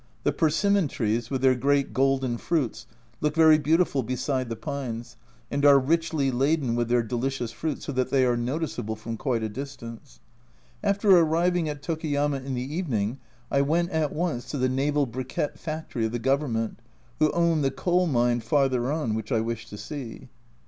The per simmon trees, with their great golden fruits, look very beautiful beside the pines, and are richly laden with their delicious fruit, so that they are noticeable from quite a distance. After arriving at Tokuyama in the evening I went A Journal from Japan 47 at once to the Naval Briquette factory of the Govern ment, who own the coal mine farther on which I wish to see.